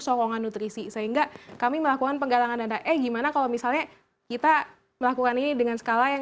sokongan nutrisi sehingga kami melakukan penggalangan dana eh gimana kalau misalnya kita